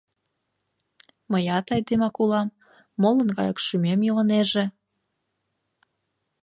Мыят айдемак улам, молын гаяк шӱмем илынеже...